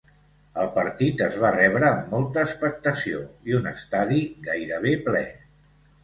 El partit es va rebre amb molta expectació i un estadi gairebé ple.